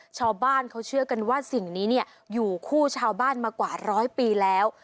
ชาวบ้านเขาเชื่อกันว่าสิ่งนี้อยู่คู่ชาวบ้านมากว่าร้อยปีแล้ว